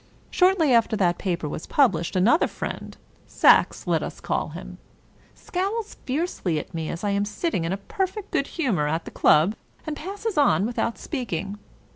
Shortly after that paper was pub lished another friend — Sacks let us call him — scowls fiercely at me as I am sitting in perfect good humor at the club, and passes on without speaking.